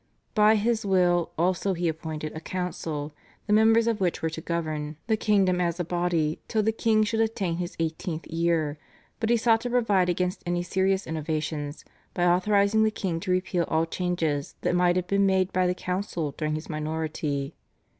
By his will also he appointed a council the members of which were to govern the kingdom as a body till the king should attain his eighteenth year, but he sought to provide against any serious innovations by authorising the king to repeal all changes that might have been made by the council during his minority.